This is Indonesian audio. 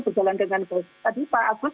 berjalan dengan baik tadi pak agus